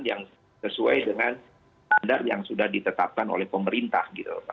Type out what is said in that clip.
yang sesuai dengan standar yang sudah ditetapkan oleh pemerintah